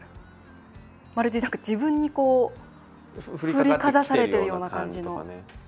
まるで自分に振りかざされているような感じの。